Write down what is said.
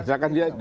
saya kan dia